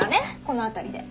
この辺りで。